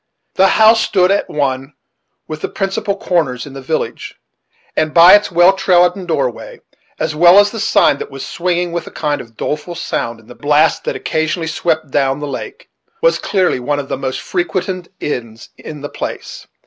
The house stood at one of the principal corners in the village; and by its well trodden doorway, as well as the sign that was swinging with a kind of doleful sound in the blasts that occasionally swept down the lake, was clearly one of the most frequented inns in the place.